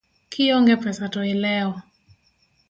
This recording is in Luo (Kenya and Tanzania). Kionge pesa to ilewo